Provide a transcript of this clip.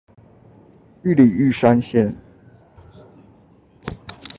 玉里玉山線